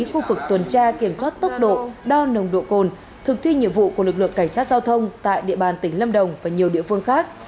khu vực tuần tra kiểm soát tốc độ đo nồng độ cồn thực thi nhiệm vụ của lực lượng cảnh sát giao thông tại địa bàn tỉnh lâm đồng và nhiều địa phương khác